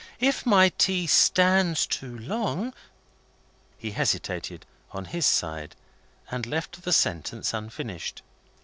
If my tea stands too long " He hesitated, on his side, and left the sentence unfinished.